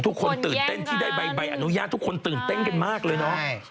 ทุกคนตื่นเต้นที่ได้ใบอนุญาตทุกคนตื่นเต้นกันมากเลยเนาะ